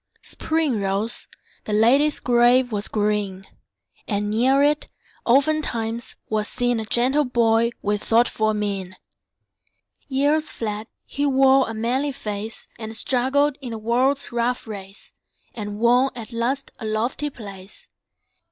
Spring rose; the lady's grave was green; And near it, oftentimes, was seen A gentle boy with thoughtful mien. Years fled; he wore a manly face, And struggled in the world's rough race, And won at last a lofty place.